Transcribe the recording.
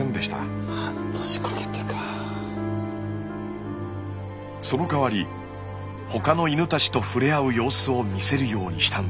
そのかわり他の犬たちと触れ合う様子を見せるようにしたんです。